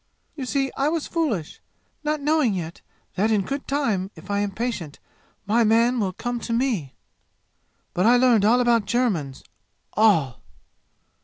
You see, I was foolish, not knowing yet that in good time if I am patient my man will come to me! But I learned all about Germans all!